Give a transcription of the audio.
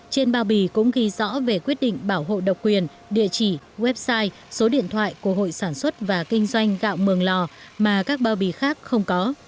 trên bao bì cũng ghi rõ về quyết định bảo hộ độc quyền địa chỉ website số điện thoại của hội sản xuất và kinh doanh gạo mường lò mà các bao bì khác không có